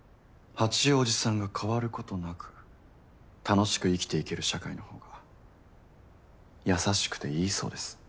八王子さんが変わることなく楽しく生きていける社会のほうが優しくていいそうです。